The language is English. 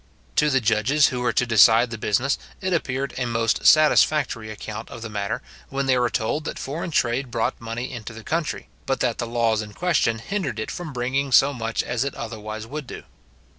To the judges who were to decide the business, it appeared a most satisfactory account of the matter, when they were told that foreign trade brought money into the country, but that the laws in question hindered it from bringing so much as it otherwise would do.